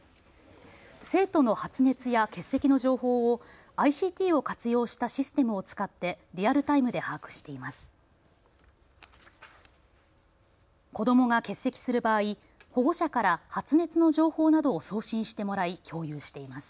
生徒の発熱や欠席の情報をＩＣＴを活用したシステムを使ってリアルタイムで把握しています。